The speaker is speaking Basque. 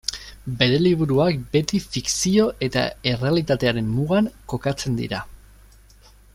Bere liburuak beti fikzio eta errealitatearen mugan kokatzen dira.